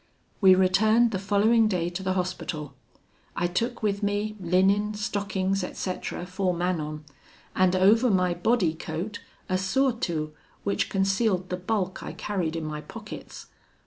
"We returned the following day to the Hospital. I took with me linen, stockings, etc., for Manon, and over my body coat a surtout, which concealed the bulk I carried in my pockets.